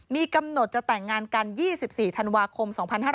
มีกำหนดจะแต่งงานกัน๒๔ธันวาคม๒๕๕๙